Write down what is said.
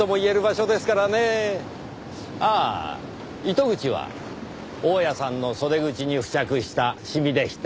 糸口は大屋さんの袖口に付着したシミでした。